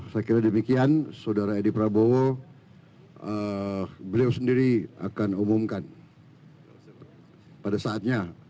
saya kira demikian saudara edi prabowo beliau sendiri akan umumkan pada saatnya